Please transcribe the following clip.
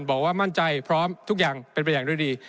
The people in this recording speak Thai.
บอกว่ามั่นใจพร้อมทุกอย่างเป็นไปอย่างด้วยดี